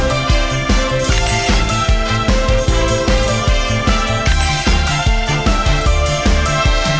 ออมสกาลเจนภูมิสวัสดิ์ค่ะ